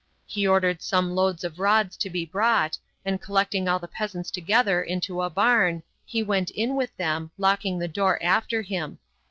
He ordered some loads of rods to be brought, and collecting all the peasants together into a barn, he went in with them, locking the door after him.